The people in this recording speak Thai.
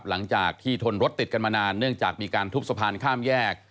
หลังจากที่ทนรถติดกันมานานเนื่องจากมีการทุบสะพานข้ามแยก